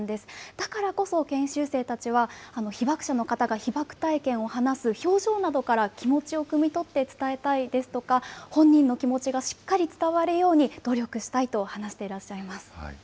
だからこそ研修生たちは、被爆者の方が被爆体験を話す表情などから気持ちをくみ取って伝えたいですとか、本人の気持ちがしっかり伝わるように努力したいと話していらっしゃいます。